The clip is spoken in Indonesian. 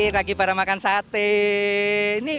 bagi para makan sate